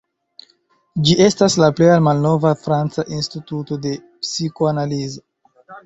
Ĝi estas la plej malnova franca instituto de psikoanalizo.